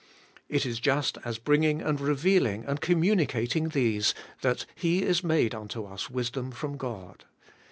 It is just as bringing, and revealing, and communicating these that He is made unto us wisdom from God.